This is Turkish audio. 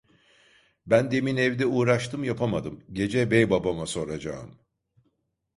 Ben demin evde uğraştım, yapamadım, gece beybabama soracağım!